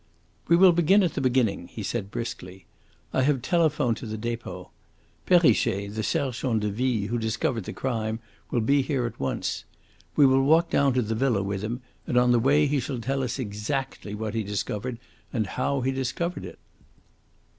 "We will begin at the beginning," he said briskly. "I have telephoned to the Depot. Perrichet, the sergent de ville who discovered the crime, will be here at once. We will walk down to the villa with him, and on the way he shall tell us exactly what he discovered and how he discovered it.